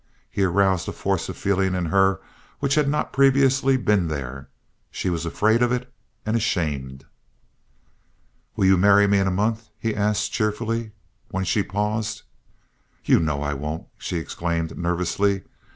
He aroused a force of feeling in her which had not previously been there. She was afraid of it and ashamed. "Will you marry me in a month?" he asked, cheerfully, when she paused. "You know I won't!" she exclaimed, nervously.